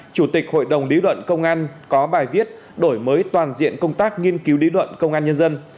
chủ tịch hội đồng lý luận công an có bài viết đổi mới toàn diện công tác nghiên cứu lý luận công an nhân dân